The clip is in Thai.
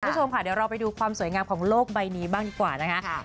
คุณผู้ชมค่ะเดี๋ยวเราไปดูความสวยงามของโลกใบนี้บ้างดีกว่านะคะ